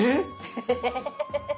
エヘヘヘヘ。